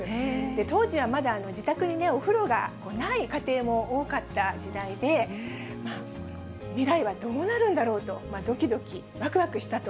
当時はまだ、自宅にお風呂がない家庭も多かった時代で、未来はどうなるんだろうと、どきどき、わくわくしたと。